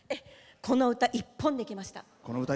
この歌一本できました。